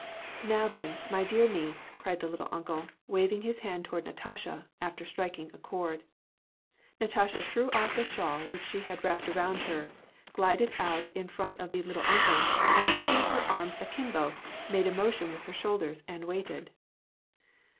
" Now, then, my dear niece," cried the " little uncle," waving his hand toward Natasha, after striking a chord. Natasha threw otf the shawl which she had wrapped around her, glided out in front of the " little uncle," and putting her arms akimbo, made a motion with her shoulders, and waited.